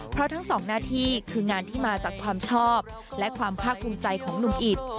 เพราะทั้งสองหน้าที่คืองานที่มาจากความชอบและความภาคภูมิใจของหนุ่มอิต